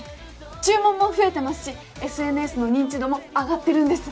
注文も増えてますしＳＮＳの認知度も上がってるんです。